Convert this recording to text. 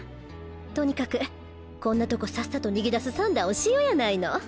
とにかくこんなとこさっさと逃げ出す算段をしようやないの。